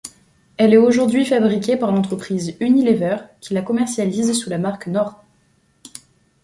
Elle est aujourd'hui fabriquée par l'entreprise Unilever qui la commercialise sous la marque Knorr.